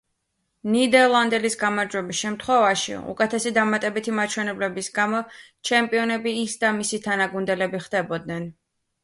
ნიდერლანდელის გამარჯვების შემთხვევაში, უკეთესი დამატებითი მაჩვენებლების გამო, ჩემპიონები ის და მისი თანაგუნდელები ხდებოდნენ.